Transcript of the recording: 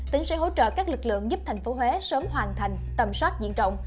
tỉnh sẽ hỗ trợ các lực lượng giúp tp huế sớm hoàn thành tầm soát diện rộng